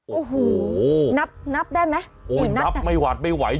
โอ้โหนับนับได้ไหมโอ้ยนับไม่หวาดไม่ไหว